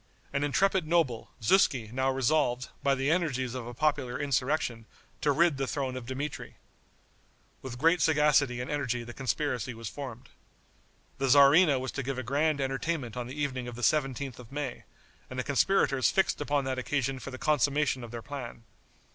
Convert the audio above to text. An intrepid noble, Zuski, now resolved, by the energies of a popular insurrection, to rid the throne of Dmitri. With great sagacity and energy the conspiracy was formed. The tzarina was to give a grand entertainment on the evening of the 17th of May, and the conspirators fixed upon that occasion for the consummation of their plan.